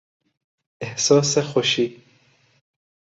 احساس خوشی